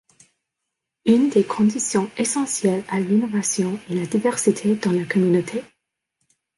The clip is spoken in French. Une des conditions essentielles à l'innovation est la diversité dans la communauté.